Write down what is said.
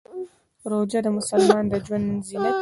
روژه د مسلمان د ژوند زینت دی.